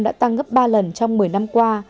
đã tăng gấp ba lần trong một mươi năm qua